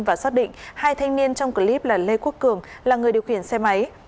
và xác định hai thanh niên trong clip là lê quốc cường là người điều khiển xe máy